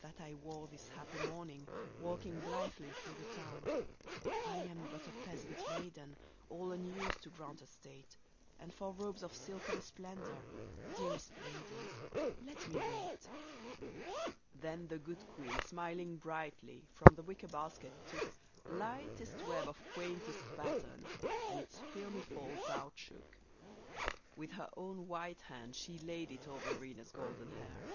That I wore this happy morning walking blithely through the town. 158 RENA " I am but a peasant maiden, all unused to grand estate, And for robes of silken splendor, dearest ladies, let me wait !" Then the good queen, smiling brightly, from the wicker bas ket took Lightest web of quaintest pattern, and its filmy folds out shook. With her own white hand she laid it over Rena's golden hair.